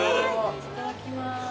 いただきます。